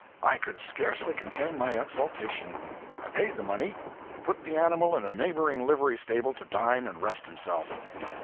I could scarcely contain my exultation. I paid the money, and put the animal in a neighboring livery stable to dine and rest himself.